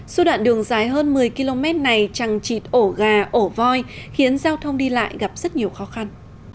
suốt đoạn đường dài hơn một mươi km này trăng trịt ổ gà ổ voi khiến giao thông đi lại gặp rất nhiều khó khăn